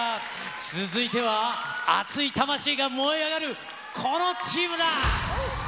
続いては、熱い魂が燃え上がる、このチームだ。